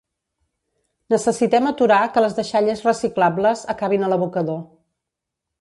Necessitem aturar que les deixalles reciclables acabin a l'abocador.